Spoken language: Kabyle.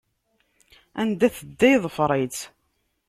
Anda i tedda yeḍfeṛ-itt.